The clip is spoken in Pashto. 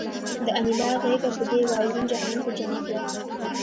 د انیلا غېږه په دې واورین جهنم کې جنت وه